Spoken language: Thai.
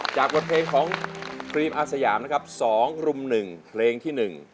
บทเพลงของครีมอาสยามนะครับ๒รุ่ม๑เพลงที่๑